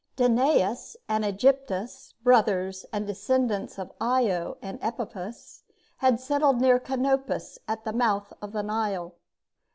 Danaüs and Aegyptus, brothers, and descendants of Io and Epaphus, had settled near Canopus at the mouth of the Nile.